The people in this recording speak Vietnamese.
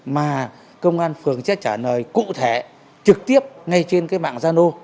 mà công an phường sẽ trả lời cụ thể trực tiếp ngay trên cái mạng zalo